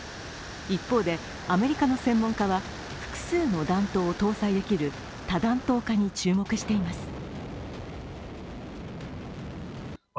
一方で、アメリカの専門家は複数の弾頭を搭載できる多弾頭化に注目しています。